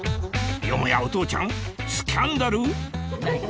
よもやお父ちゃんスキャンダル？